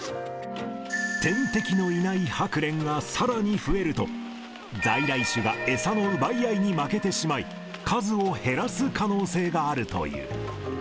天敵のいないハクレンがさらに増えると、在来種が餌の奪い合いに負けてしまい、数を減らす可能性があるという。